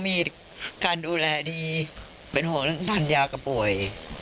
มาดูแลดีเป็นห่วงเรื่องนั้นยากกับป่วย